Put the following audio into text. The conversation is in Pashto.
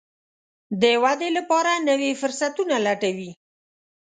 د ودې لپاره نوي فرصتونه لټوي.